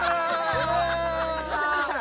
すいませんでした！